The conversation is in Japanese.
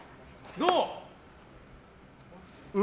どう？